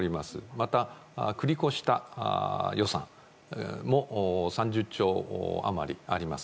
また、繰り越した予算も３０兆余りあります。